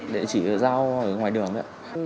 để chỉ giao ở ngoài đường